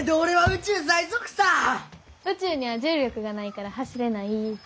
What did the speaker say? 宇宙には重力がないから走れない。